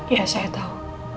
ya saya tau